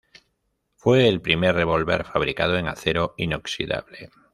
Fue el primer revólver fabricado en acero inoxidable.